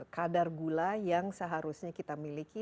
kadar gula yang seharusnya kita miliki